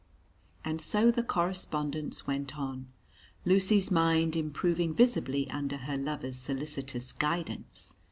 And so the correspondence went on, Lucy's mind improving visibly under her lover's solicitous guidance.